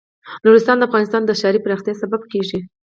نورستان د افغانستان د ښاري پراختیا سبب کېږي.